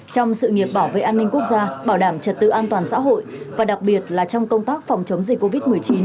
trong sự nghiệp bảo vệ an ninh quốc gia bảo đảm trật tự an toàn xã hội và đặc biệt là trong công tác phòng chống dịch covid một mươi chín